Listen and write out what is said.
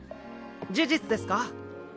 事実ですか？